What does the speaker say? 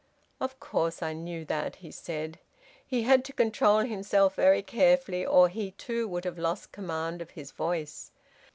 "Of course I knew that," he said. He had to control himself very carefully, or he too would have lost command of his voice.